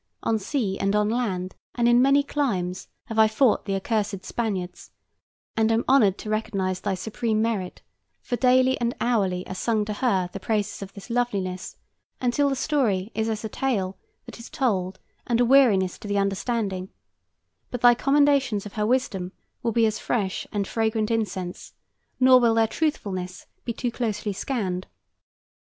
On sea and on land and in many climes have I fought the accursed Spaniards, and am honored recognize thy supreme merit, for daily and hourly are sung to her the praises of this loveliness until the story is as a tale that is told and a weariness to the understanding; but thy commendations of her wisdom will be as fresh and fragrant incense, nor will their truthfulness be too closely scanned.